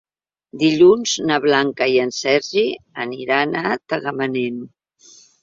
Dilluns na Blanca i en Sergi aniran a Tagamanent.